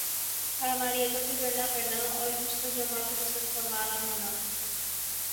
اور ہماری عقل سے بڑھنا کرنا اور حسن و جمال کو پسند فرمانا ہونا